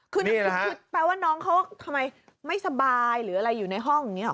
คือแปลว่าน้องเขาทำไมไม่สบายหรืออะไรอยู่ในห้องอย่างนี้หรอ